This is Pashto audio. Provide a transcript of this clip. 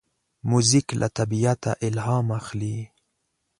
موزیک له طبیعته الهام اخلي.